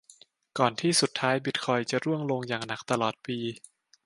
ก่อนที่สุดท้ายบิตคอยน์จะร่วงลงอย่างหนักตลอดปี